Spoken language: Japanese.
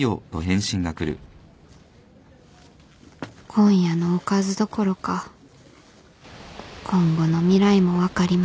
今夜のおかずどころか今後の未来も分かりませんよ